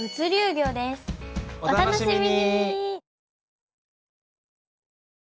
お楽しみに！